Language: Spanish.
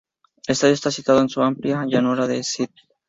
El estadio está situado en una amplia llanura en St.